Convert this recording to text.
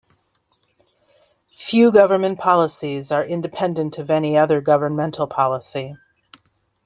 Few government policies are independent of any other governmental policy.